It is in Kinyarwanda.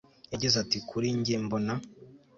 yagize ati kuri njye mbona